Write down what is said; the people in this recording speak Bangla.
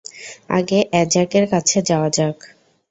আগে অ্যাজাকের কাছে যাওয়া যাক।